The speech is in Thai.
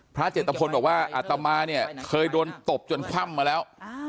พระเจตภนบอกว่าอัตมาเคยโดนตบจนค่ำมาแล้ว